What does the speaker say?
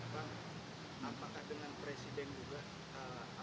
apakah dengan presiden juga